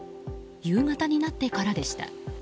夕方になってからでした。